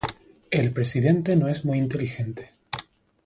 El presidente no es muy inteligente.